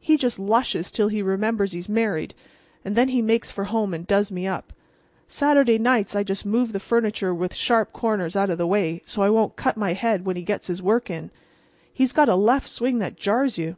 He just lushes till he remembers he's married, and then he makes for home and does me up. Saturday nights I just move the furniture with sharp corners out of the way, so I won't cut my head when he gets his work in. He's got a left swing that jars you!